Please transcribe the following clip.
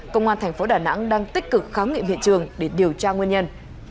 công an tp đà nẵng đang tích cực kháng nghiệm hiện trường để điều tra nguyên nhân